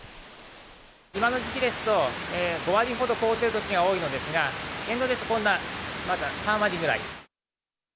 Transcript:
今の時期ですと、５割ほど凍ってるときが多いのですが、現状ですとこんなまだ３割ぐらい。